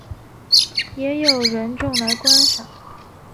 也有人种来观赏。